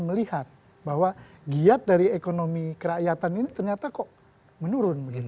melihat bahwa giat dari ekonomi kerakyatan ini ternyata kok menurun